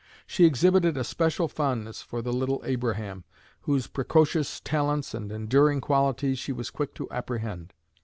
She exhibited a special fondness for the little Abraham, whose precocious talents and enduring qualities she was quick to apprehend.